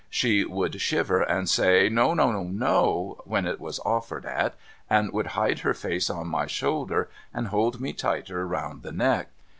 She would shiver and say, ' No, no, no,' when it was offered at, and would hide her face on my shoulder, and hold me tighter round the neck.